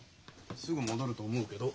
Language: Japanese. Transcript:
すぐ戻ると思うけど。